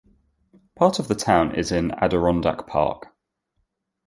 Part of the town is in the Adirondack Park.